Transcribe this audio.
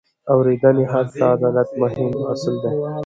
د اورېدنې حق د عدالت مهم اصل دی.